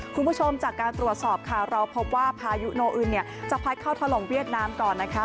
คุณผู้ชมจากการตรวจสอบค่ะเราพบว่าพายุโนอึนเนี่ยจะพัดเข้าถล่มเวียดนามก่อนนะคะ